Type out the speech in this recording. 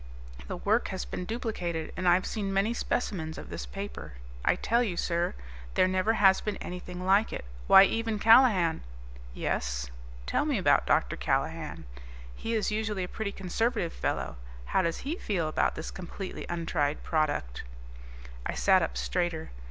"The work has been duplicated, and I've seen many specimens of this paper. I tell you, sir, there never has been anything like it. Why, even Callahan ..." "Yes, tell me about Dr. Callahan. He is usually a pretty conservative fellow. How does he feel about this completely untried product?" I sat up straighter.